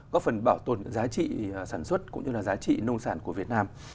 góp phần bảo tồn giá trị sản xuất cũng như là giá trị nông sản của việt nam